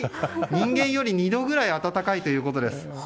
人間より２度ぐらい温かいということです。